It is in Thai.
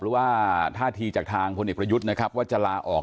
หรือว่าท่าทีจากทางพลเอกประยุทธ์นะครับว่าจะลาออก